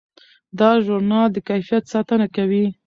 دا ژورنال د کیفیت ساتنه کوي.